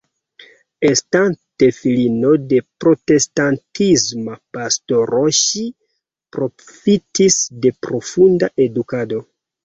Estante filino de protestantisma pastoro ŝi profitis de profunda edukado.